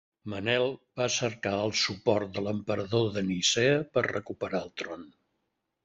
Manel va cercar el suport de l'emperador de Nicea per recuperar el tron.